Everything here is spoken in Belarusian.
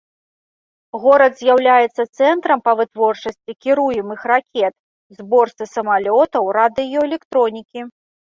Горад з'яўляецца цэнтрам па вытворчасці кіруемых ракет, зборцы самалётаў, радыёэлектронікі.